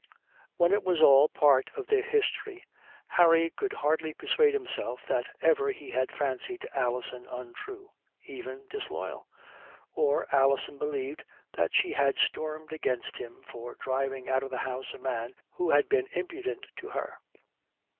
When it was all part of their history, Harry could hardly persuade himself that ever he had fancied Alison untrue, even disloyal; or Alison believe that she had stormed against him for driving out of the house a man who had been impudent to her.